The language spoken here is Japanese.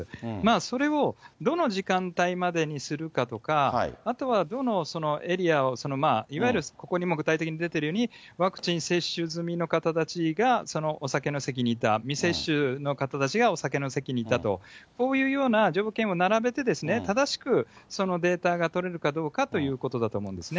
それをどの時間帯までにするかとか、あとはどのエリアを、いわゆるここにも具体的に出てるようにワクチン接種済みの方たちが、お酒の席にいた、未接種の方たちがお酒の席にいたと、こういうような条件を並べてですね、正しくそのデータが取れるかどうかということだと思うんですね。